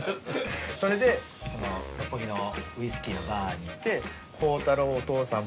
それで六本木のウイスキーのバーに行って孝太郎お父さん